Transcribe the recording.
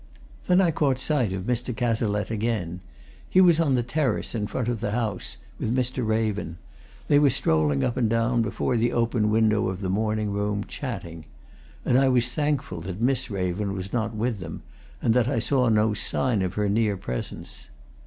Then I caught sight of Mr. Cazalette again. He was on the terrace, in front of the house, with Mr. Raven they were strolling up and down, before the open window of the morning room, chatting. And I was thankful that Miss Raven was not with them, and that I saw no sign of her near presence.